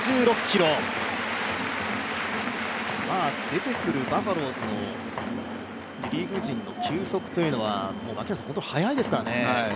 出てくるバファローズのリリーフ陣の球速というのは本当に速いですからね。